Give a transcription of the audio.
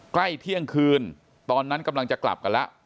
ใกล้เที่ยงคืนตอนนั้นกำลังจะกลับกันแล้ว